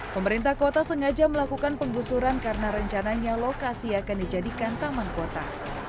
pemerintah kota sengaja melakukan penggusuran karena rencananya lokasi akan dijadikan taman kota